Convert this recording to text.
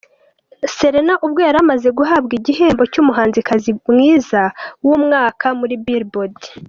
Serena ubwo yaramaze guhabwa igihembo cy’umuhanzikazi mwiza w’umwaka muri BillBoard .